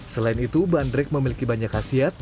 selain itu bandrek memiliki banyak khasiat